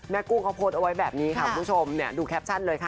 กุ้งเขาโพสต์เอาไว้แบบนี้ค่ะคุณผู้ชมดูแคปชั่นเลยค่ะ